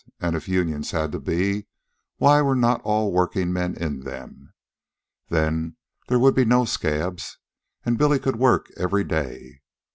And, if unions had to be, why were not all workingmen in them? Then there would be no scabs, and Billy could work every day.